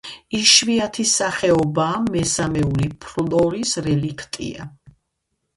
იშვიათი სახეობაა; მესამეული ფლორის რელიქტია.